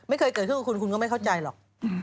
ไม่เคยเกิดขึ้นกับคุณคุณก็ไม่เข้าใจหรอก